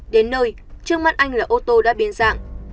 đến nơi trước mắt anh là ô tô đã biến ra